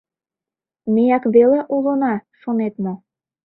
Меак веле улына, шонет мо?